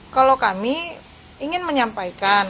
kalau kami ingin menyampaikan